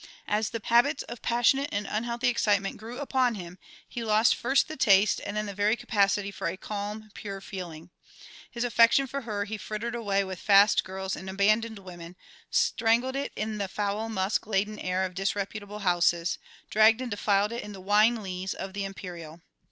As the habits of passionate and unhealthy excitement grew upon him he lost first the taste and then the very capacity for a calm, pure feeling. His affection for her he frittered away with fast girls and abandoned women, strangled it in the foul musk laden air of disreputable houses, dragged and defiled it in the wine lees of the Imperial.